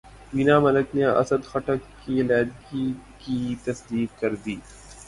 وینا ملک نے اسد خٹک سے علیحدگی کی تصدیق کردی